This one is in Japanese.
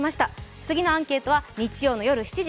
次のアンケートは日曜の夜７時。